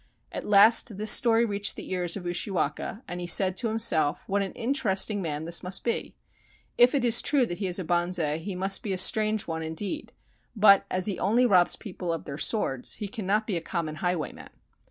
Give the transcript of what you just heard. At last this story reached the ears of Ushiwaka, and he said to himself: "What an interesting man this must be ! If it is true that he is a bonze, he must be a strange one, indeed; but as he only robs people of their swords, he cannot be a common highwayman.